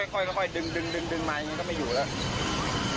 ค่อยดึงมาอย่างนี้ก็ไม่อยู่แล้ว